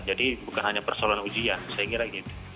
jadi bukan hanya persoalan ujian saya kira gitu